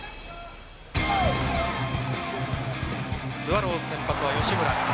スワローズ先発は吉村。